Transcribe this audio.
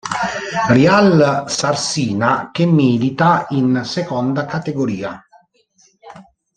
Real Sarsina che milita in Seconda Categoria.